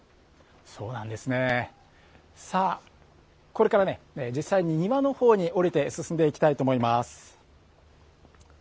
さあ、これから実際に庭のほうに下りて進んでいきたいと思います。